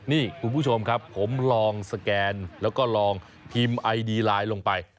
นี่คุณผู้ชมครับผมลองสแกนแล้วก็ลองพิมพ์ไอดีไลน์ลงไป